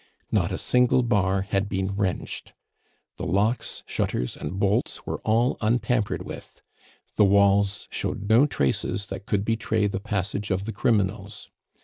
Not a single bar had been wretched; the locks, shutters, and bolts were all untampered with. The walls showed no traces that could betray the passage of the criminals.